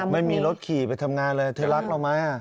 ไม่มีรถขี่ไปทำงานเลยเธอรักเราไหม